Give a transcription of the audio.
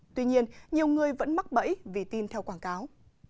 tuy nhiên nhiều người vẫn mắc bẫy vì tin theo quảng cáo